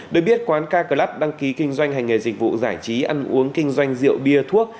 được biết quán kaclub đăng ký kinh doanh hành nghề dịch vụ giải trí ăn uống kinh doanh rượu bia thuốc